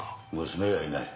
娘はいない。